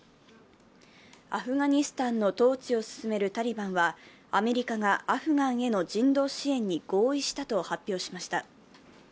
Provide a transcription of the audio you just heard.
アフガニスタンの統治を進めるタリバンはアメリカがアフガンへの人道支援に合意したと発表しました。